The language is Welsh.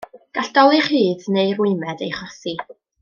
Gall dolur rhydd neu rwymedd ei achosi.